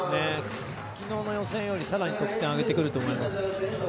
昨日の予選より更に得点上げてくると思います。